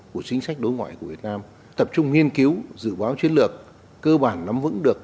của chính sách đối ngoại của việt nam tập trung nghiên cứu dự báo chiến lược cơ bản nắm vững được